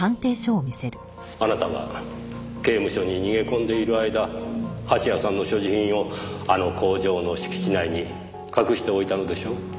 あなたは刑務所に逃げ込んでいる間蜂矢さんの所持品をあの工場の敷地内に隠しておいたのでしょう？